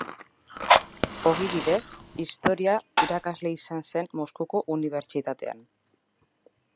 Ogibidez, historia irakasle izan zen Moskuko Unibertsitatean.